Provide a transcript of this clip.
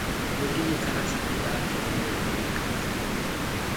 ሁልጊዜ ከራስህ እንዳትለየው ብላ መከረችው፡፡